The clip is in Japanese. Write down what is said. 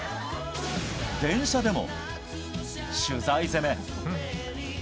電車でも取材攻め。